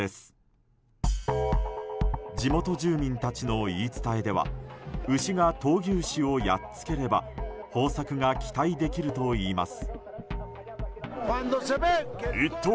現地住民たちの言い伝えでは牛が闘牛士をやっつければ豊作が期待できるといいます。